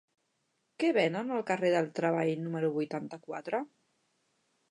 Què venen al carrer del Treball número vuitanta-quatre?